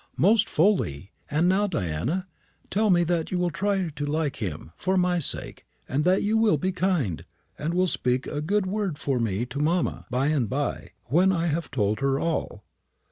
"Most fully. And now, Diana, tell me that you will try to like him, for my sake, and that you will be kind, and will speak a good word for me to mamma by and by, when I have told her all."